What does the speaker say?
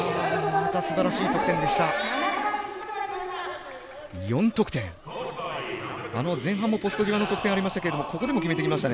またすばらしい得点でした。